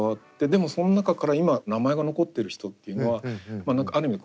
でもその中から今名前が残ってる人っていうのはある意味